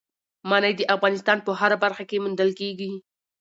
منی د افغانستان په هره برخه کې موندل کېږي.